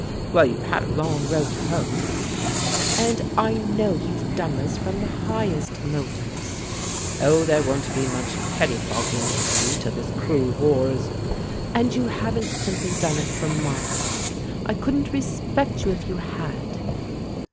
"Well, you've had a long row to hoe." "And I know you've done this from the highest motives " "Oh, there won't be much pettifogging to do till this cruel war is " "And you haven't simply done it for my sake. I couldn't respect you if you had."